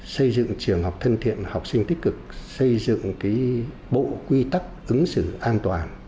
xây dựng trường học thân thiện học sinh tích cực xây dựng bộ quy tắc ứng xử an toàn